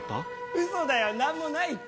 ウソだよ何もないって！